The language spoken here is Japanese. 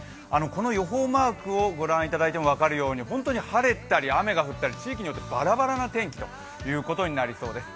この予報マークを御覧いただいても分かるようにホントに晴れたり雨が降ったり、バラバラな天気ということになりそうです。